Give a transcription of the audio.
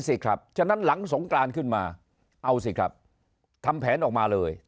สิครับฉะนั้นหลังสงกรานขึ้นมาเอาสิครับทำแผนออกมาเลย